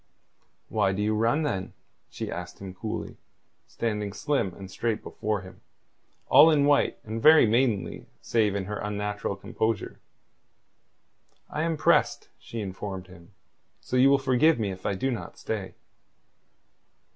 "Why do you run, then?" she asked him coolly, standing slim and straight before him, all in white and very maidenly save in her unnatural composure. "I am pressed," she informed him. "So you will forgive me if I do not stay."